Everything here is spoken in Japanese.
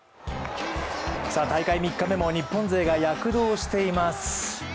大会３日目も日本勢が躍動しています。